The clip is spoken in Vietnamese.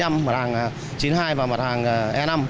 năm mặt hàng chín mươi hai và mặt hàng e năm